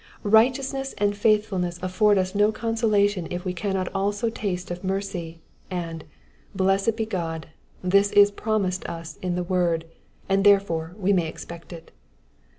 Righteousness and faith fulness afford us no consolation if we cannot also taste of mercy, and, blessed be God, this is promised us in the word, and therefore we may expect it.